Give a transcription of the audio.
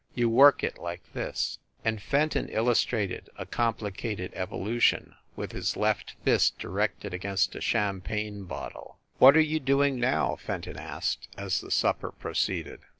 You work it like this." And Fenton illustrated a complicated evolution with his left fist directed against a champagne bottle. "What are you doing now ?" Fenton asked, as the supper proceeded.